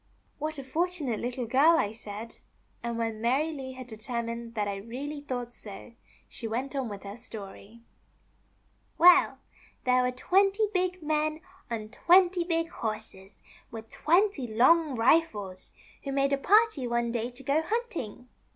" What a fortunate Little Girl 1 " I said ; and when Mary Lee had determined that I really thought so, she went on with her story :" Well, there were twenty big men, on twenty big horses, with twenty long rifles, who made a party one day to go hunting.